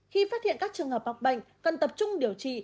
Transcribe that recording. khi phát hiện các trường hợp bọc bệnh cần tập trung điều trị